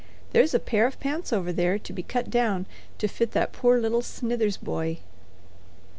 There's a pair of pants over there to be cut down to fit that poor little Snithers boy."